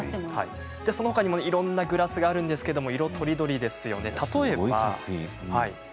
そのほかにも、いろいろなグラスがあるんですけど色とりどりですよね。